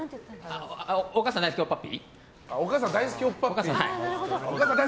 お母さん大好きオッパッピー。